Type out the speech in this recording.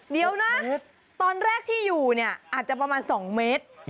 เดี๋ยวนะตอนแรกที่อยู่เนี่ยอาจจะประมาณ๒เมตร